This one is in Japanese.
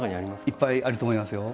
いっぱいあると思いますよ。